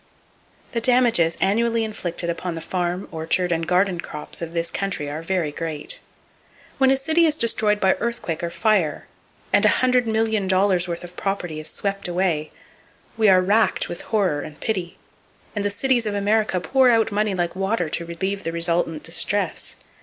The damages annually inflicted upon the farm, orchard and garden crops of this country are very great. When a city is destroyed by earthquake or fire, and $100,000,000 worth of property is swept away, we are racked with horror and pity; and the cities of America pour out money like water to relieve the resultant distress.